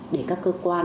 để các cơ quan